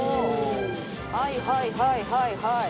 はいはいはいはい。